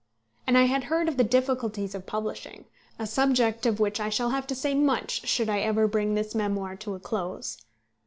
And I had heard of the difficulties of publishing, a subject of which I shall have to say much should I ever bring this memoir to a close.